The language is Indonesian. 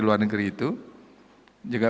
luar negeri itu juga